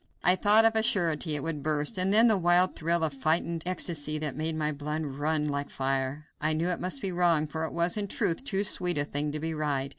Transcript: I thought, of a surety, it would burst; and then the wild thrill of frightened ecstasy that made my blood run like fire! I knew it must be wrong, for it was, in truth, too sweet a thing to be right.